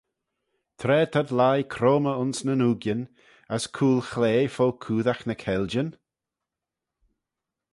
Tra t'ad lhie croymmey ayns nyn ooigyn, as cooyl-chlea fo coodagh ny keylljyn?